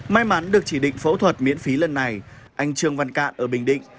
may mắn được chỉ định phẫu thuật miễn phí lần này anh trương văn cạn ở bình định